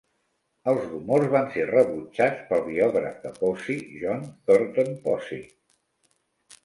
Els rumors van ser rebutjats pel biògraf de Posey, John Thornton Posey.